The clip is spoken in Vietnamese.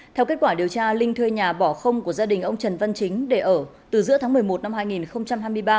theo kết quả điều tra linh thuê nhà bỏ không của gia đình ông trần văn chính để ở từ giữa tháng một mươi một năm hai nghìn hai mươi ba